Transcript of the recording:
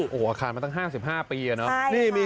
โอ้โหอาคารมาตั้ง๕๕ปีอะเนาะ